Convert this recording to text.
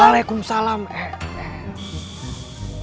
waalaikumsalam eh eh